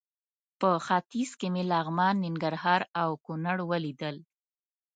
په ختیځ کې مې لغمان، ننګرهار او کونړ ولیدل.